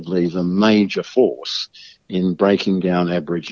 dalam menutupi resistan aborigin